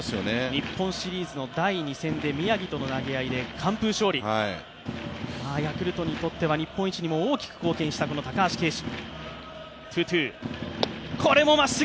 日本シリーズの第２戦で宮城との投げ合いで完封勝利、ヤクルトにとっては日本一に大きく貢献した高橋奎二。